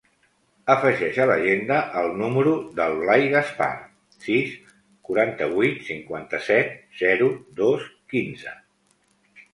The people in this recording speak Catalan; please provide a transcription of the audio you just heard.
Afegeix a l'agenda el número del Blai Gaspar: sis, quaranta-vuit, cinquanta-set, zero, dos, quinze.